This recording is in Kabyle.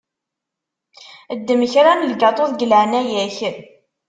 Ddem kra n lgaṭu deg leεnaya-k.